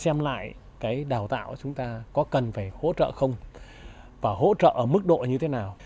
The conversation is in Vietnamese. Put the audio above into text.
xem lại cái đào tạo chúng ta có cần phải hỗ trợ không và hỗ trợ ở mức độ như thế nào